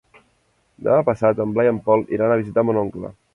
Demà passat en Blai i en Pol iran a visitar mon oncle.